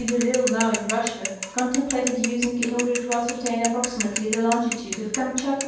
de I'Isle, now in Russia, contemplated using in order to ascer tain a^jproximately the longitude of Kamtchat.